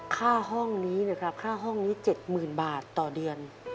ค่าห้องนี้นะครับค่าห้องนี้๗๐๐๐บาทต่อเดือน